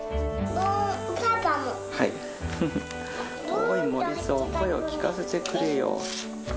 おい、モリゾー、声を聞かせてくれよ。